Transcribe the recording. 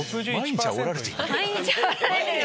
「毎日あおられている」？